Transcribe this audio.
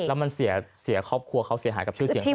แล้วมันเสียครอบครัวเขาเสียหายกับชื่อเสียงเขา